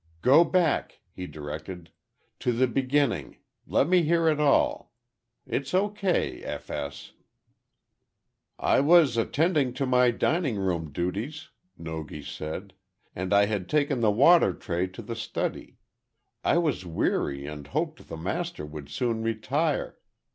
"Go back," he directed, "to the beginning. Let me hear it all. It's O. K., F. S." "I was attending to my dining room duties," Nogi said, "and I had taken the water tray to the study. I was weary and hoped the master would soon retire.